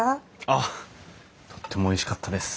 あっとってもおいしかったです。